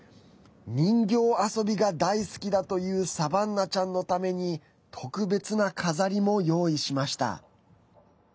人形遊びが大好きだというサバンナちゃんのために特別な飾りも用意しました。